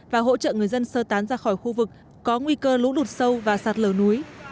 và hỗ trợ người dân sơ tán ra khỏi khu vực có nguy cơ lũ lụt sâu và sạt lở núi